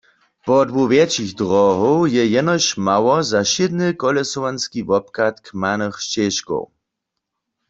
Podłu wjetšich dróhow je jenož mało za wšědny kolesowanski wobchad kmanych šćežkow.